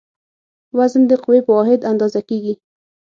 وزن د قوې په واحد اندازه کېږي.